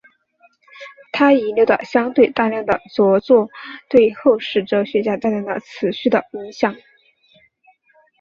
他遗留的相对大量的着作对后世哲学家带来了持续的影响。